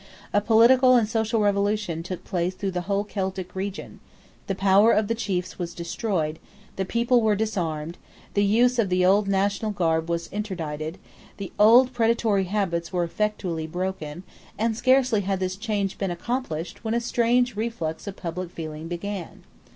A political and social revolution took place through the whole Celtic region. The power of the chiefs was destroyed: the people were disarmed: the use of the old national garb was interdicted: the old predatory habits were effectually broken; and scarcely had this change been accomplished when a strange reflux of public feeling began.